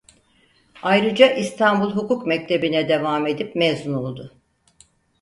Ayrıca İstanbul Hukuk Mektebi'ne devam edip mezun oldu.